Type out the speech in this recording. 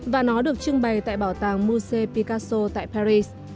và nó được trưng bày tại bảo tàng musée picasso tại paris